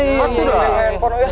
masih dong yang handphone lo ya